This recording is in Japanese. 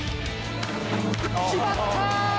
決まった！